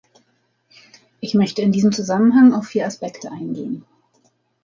Ich möchte in diesem Zusammenhang auf vier Aspekte eingehen.